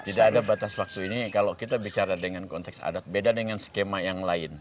tidak ada batas waktu ini kalau kita bicara dengan konteks adat beda dengan skema yang lain